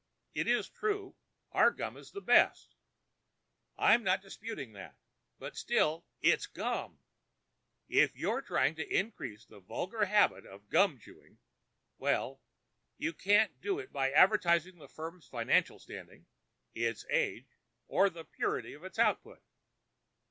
"It is true. Our gum is the best." "I'm not disputing that, but still it's gum. If you're trying to increase the vulgar habit of gum chewing—well—you can't do it by advertising the firm's financial standing, its age, or the purity of its output.